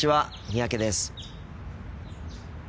三宅です。